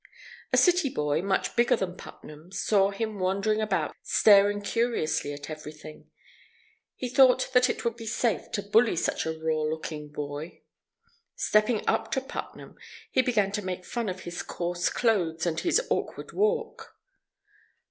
A city boy, much bigger than Putnam, saw him wandering about staring curiously at everything. He thought that it would be safe to bully such a raw looking boy. Stepping up to Putnam, he began to make fun of his coarse clothes and his awkward walk.